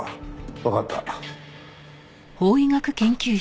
わかった。